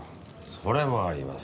それもあります。